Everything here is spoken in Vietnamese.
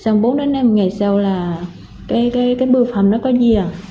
ngày sau là cái bưu phẩm nó có gì à